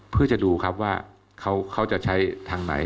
เพื่อจะดูครับว่าเขาจะใช้ทางไหน